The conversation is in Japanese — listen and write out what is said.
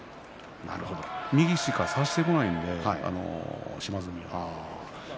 右しか差してこないので島津海はね。